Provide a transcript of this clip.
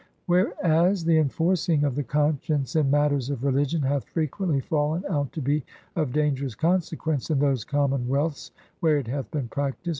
... Whereas the inf orceing of the conscience in matters of Religion hath frequently fallen out to be of danger ous Consequence in those commonwealths where it hath been practised